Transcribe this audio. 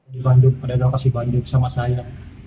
di bandung pada lokasi bandung sama saya